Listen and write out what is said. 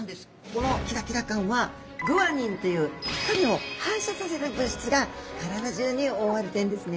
このキラキラ感はグアニンという光を反射させる物質が体中に覆われてるんですね。